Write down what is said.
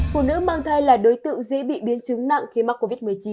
phụ nữ mang thai là đối tượng dễ bị biến chứng nặng khi mắc covid một mươi chín